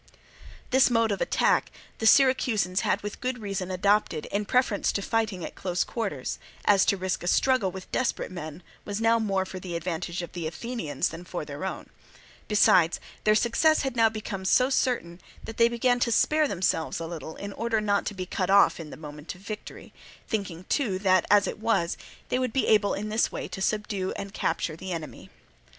This mode of attack the Syracusans had with good reason adopted in preference to fighting at close quarters, as to risk a struggle with desperate men was now more for the advantage of the Athenians than for their own; besides, their success had now become so certain that they began to spare themselves a little in order not to be cut off in the moment of victory, thinking too that, as it was, they would be able in this way to subdue and capture the enemy.